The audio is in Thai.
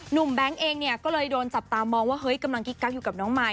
แบงค์เองเนี่ยก็เลยโดนจับตามองว่าเฮ้ยกำลังกิ๊กกักอยู่กับน้องมาย